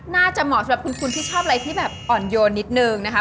เหมาะสำหรับคุณที่ชอบอะไรที่แบบอ่อนโยนนิดนึงนะคะ